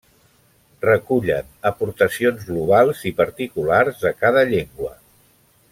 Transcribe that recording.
Recullen aportacions globals i particulars de cada llengua.